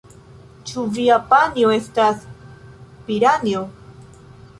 Ĉu via panjo estas piranjo?